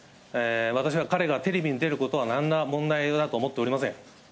私は彼がテレビに出ることは、なんら問題だと思っておりません。